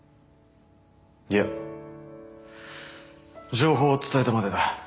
いや情報を伝えたまでだ。